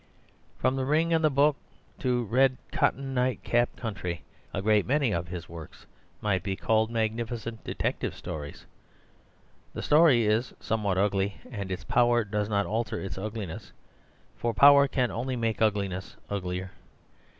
From The Ring and the Book to Red Cotton Night Cap Country a great many of his works might be called magnificent detective stories. The story is somewhat ugly, and its power does not alter its ugliness, for power can only make ugliness uglier.